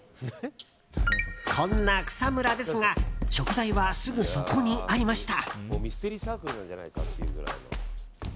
こんな草むらですが食材は、すぐそこにありました。